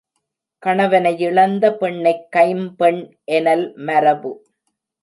கணவனையிழந்த பெண்ணைக் கைம்பெண் எனல் மரபு.